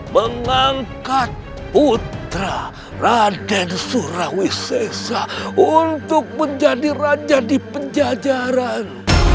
mengangkat putra raden surawisesa untuk menjadi raja di penjajaran